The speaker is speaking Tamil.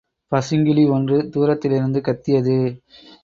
பசுங்கிளி ஒன்று தூரத்திலிருந்து கத்தியது.